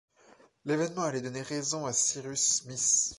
L’événement allait donner raison à Cyrus Smith